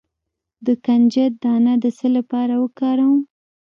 د کنجد دانه د څه لپاره وکاروم؟